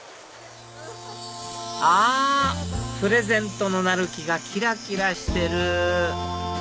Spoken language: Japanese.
あプレゼントのなる木がきらきらしてる！